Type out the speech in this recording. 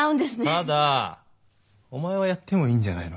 ただお前はやってもいいんじゃないのか？